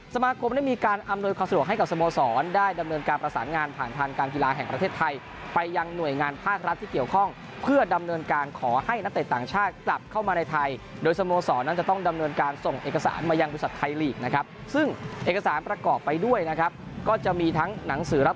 สมาคมได้มีการอำนวยความสะดวกให้กับสโมสรได้ดำเนินการประสานงานผ่านทางการกีฬาแห่งประเทศไทยไปยังหน่วยงานภาครัฐที่เกี่ยวข้องเพื่อดำเนินการขอให้นักเตะต่างชาติกลับเข้ามาในไทยโดยสโมสรนั้นจะต้องดำเนินการส่งเอกสารมายังบริษัทไทยลีกนะครับซึ่งเอกสารประกอบไปด้วยนะครับก็จะมีทั้งหนังสือรับ